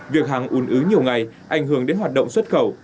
việc hàng ùn ứ nhiều ngày ảnh hưởng đến hoạt động xuất khẩu